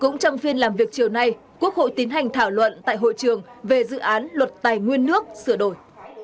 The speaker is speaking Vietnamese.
cũng trong phiên làm việc chiều nay quốc hội tiến hành thảo luận tại hội trường về dự án luật tài nguyên nước sửa đổi